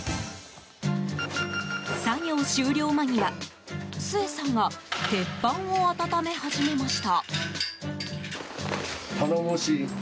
作業終了間際、スエさんが鉄板を温め始めました。